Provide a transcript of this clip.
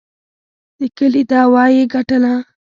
د کلي دعوه یې وګټله.